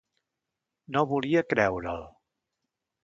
No volia creure'l.